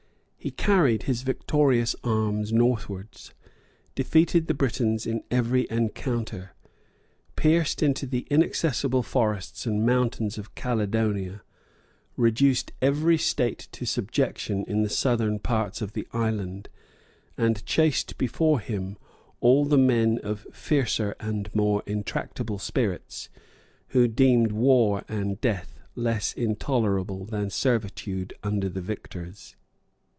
He carried his victorious arms northwards, defeated the Britons in every encounter, pierced into the inaccessible forests and mountains of Caledonia, reduced every state to subjection in the southern parts of the island, and chased before him all the men of fiercer and more intractable spirits, who deemed war and death itself less intolerable than servitude under the victors.